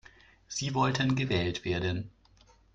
Sie wollten gewählt werden.